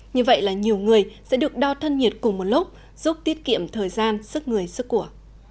như vậy là nhiều người sẽ được đo thân nhiệt cùng một lúc giúp tiết kiệm thời gian sức người sức của